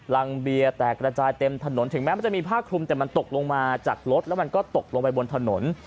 เบียร์แตกระจายเต็มถนนถึงแม้มันจะมีผ้าคลุมแต่มันตกลงมาจากรถแล้วมันก็ตกลงไปบนถนน